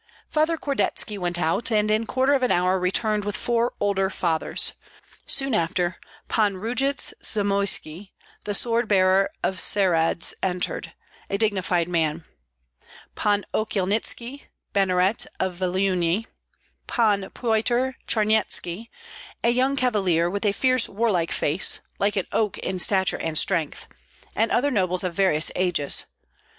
Father Kordetski went out, and in quarter of an hour returned with four older fathers. Soon after Pan Rujyts Zamoyski, the sword bearer of Syeradz, entered, a dignified man; Pan Okyelnitski, banneret of Vyelunie; Pan Pyotr Charnyetski, a young cavalier with a fierce war like face, like an oak in stature and strength; and other nobles of various ages.